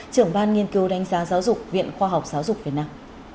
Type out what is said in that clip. trưởng ban nghiên cứu đánh giá giáo dục viện khoa học giáo dục việt nam